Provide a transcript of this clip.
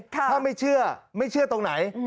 ถ้าไม่เชื่อไม่เชื่อตรงไหน